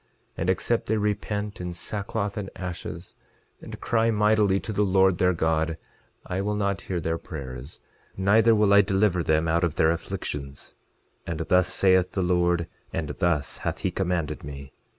11:25 And except they repent in sackcloth and ashes, and cry mightily to the Lord their God, I will not hear their prayers, neither will I deliver them out of their afflictions; and thus saith the Lord, and thus hath he commanded me.